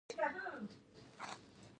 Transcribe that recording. د خپلو تیرو ناکامو او مغرضانه يالیسیو